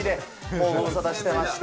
もうご無沙汰してまして。